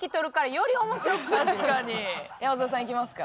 山添さんいきますか。